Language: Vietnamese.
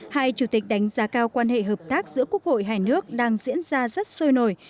hai chủ tịch đánh giá cao quan hệ hợp tác giữa quốc hội hai nước đang diễn ra rất sôi nổi